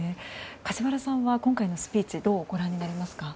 梶原さんは今回のスピーチどうご覧になりますか。